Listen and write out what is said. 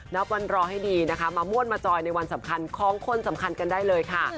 นับวันรอให้ดีนะคะมาม่วนมาจอยในวันสำคัญของคนสำคัญกันได้เลยค่ะ